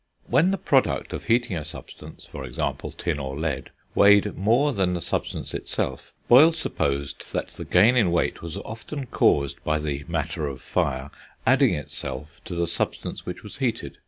When the product of heating a substance, for example, tin or lead, weighed more than the substance itself, Boyle supposed that the gain in weight was often caused by the "matter of fire" adding itself to the substance which was heated.